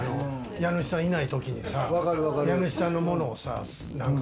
家主さんいないときにさ、家主さんのものをさ。